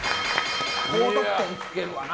高得点、つけるわな